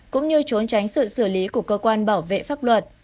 cũng như trốn tránh sự xử lý của cơ quan bảo vệ pháp luật